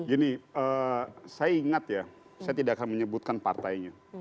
gini saya ingat ya saya tidak akan menyebutkan partainya